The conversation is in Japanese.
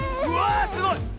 うわすごい！